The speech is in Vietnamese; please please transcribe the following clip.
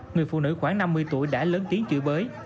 người phụ nữ khoảng năm mươi tuổi đã lớn tiếng chửi bới